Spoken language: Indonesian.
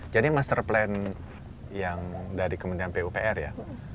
jadi master plan yang dari kemudian pupr ya